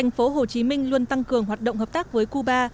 tp hcm luôn tăng cường hoạt động hợp tác với cuba